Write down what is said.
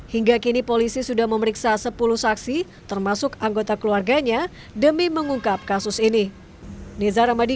hingga kini polisi sudah memeriksa sepuluh saksi termasuk anggota keluarganya demi mengungkap kasus ini